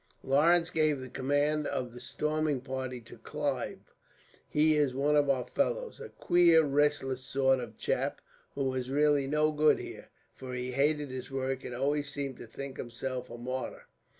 "Lawrence gave the command of the storming party to Clive. He is one of our fellows; a queer, restless sort of chap, who was really no good here, for he hated his work and always seemed to think himself a martyr.